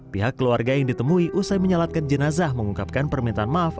pihak keluarga yang ditemui usai menyalatkan jenazah mengungkapkan permintaan maaf